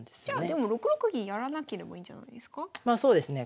でも６六銀やらなければいいんじゃないですか？